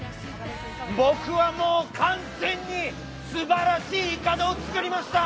僕はもう、完全にすばらしいいかだを作りました。